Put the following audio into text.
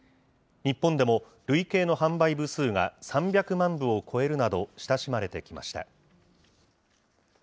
日本でも累計の販売部数が３００万部を超えるなど、親しまれてきました。